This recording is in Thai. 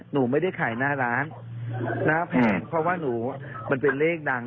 หนูไม่ได้ขายหน้าร้านหน้าแพงเพราะว่าหนูมันเป็นเลขดัง